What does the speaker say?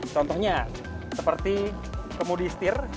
contohnya seperti komodi stier